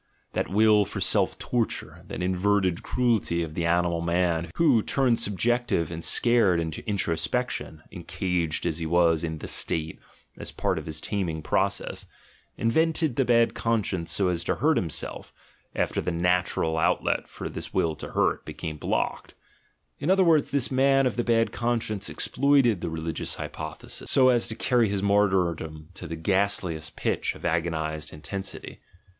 That will for self torture, that inverted cruelty of the ani mal man, who, turned subjective and scared into intro spection (encaged as he was in "the State," as part of his taming process), invented the bad conscience so as to hurt himself, after the natural outlet for this will to hurt, became blocked — in other words, this man of the bad conscience exploited the religious hypothesis so as to carry his martyrdom to the ghastliest pitch of agonised intensity.